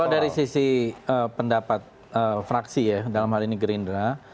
kalau dari sisi pendapat fraksi ya dalam hal ini gerindra